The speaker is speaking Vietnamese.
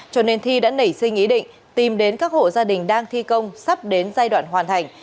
cho nên thi đã nảy sinh ý định tìm đến các hộ gia đình đang thi công sắp đến giai đoạn hoàn thành